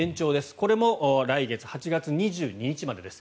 これも来月８月２２日までです。